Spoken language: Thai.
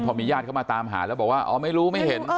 พอมีญาติเข้ามาตามหาแล้วบอกว่าอ๋อไม่รู้ไม่เห็น